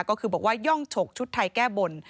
ก็คือบอกว่าย่องฉกชุดไทยแก้บน